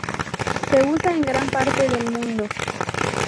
Se usa en gran parte del mundo.